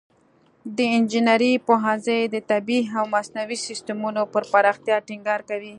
د انجینري پوهنځی د طبیعي او مصنوعي سیستمونو پر پراختیا ټینګار کوي.